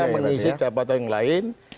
menisip jabatan yang lain